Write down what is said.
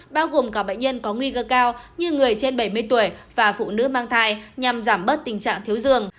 bao gồm cả bệnh nhân có nguy cơ cao như người trên bảy mươi tuổi và phụ nữ mang thai nhằm giảm bớt tình trạng thiếu giường